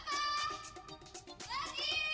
tapi mau jual